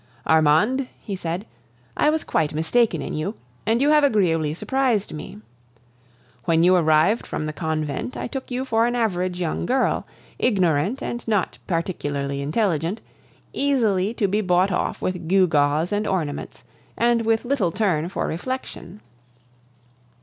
"Armande," he said, "I was quite mistaken in you, and you have agreeably surprised me. When you arrived from the convent, I took you for an average young girl, ignorant and not particularly intelligent, easily to be bought off with gewgaws and ornaments, and with little turn for reflection."